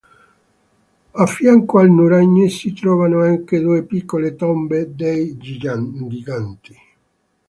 A fianco al nuraghe si trovano anche due piccole tombe dei giganti.